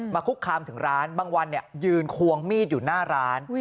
คุกคามถึงร้านบางวันยืนควงมีดอยู่หน้าร้าน